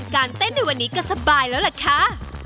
เต้นในวันนี้ก็สบายแล้วล่ะค่ะ